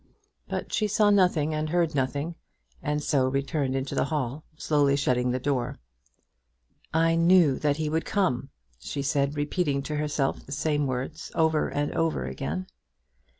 But she saw nothing and heard nothing, and so returned into the hall, slowly shutting the door. "I knew that he would come," she said, repeating to herself the same words, over and over again.